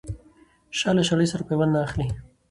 شال له شړۍ سره پيوند نه اخلي.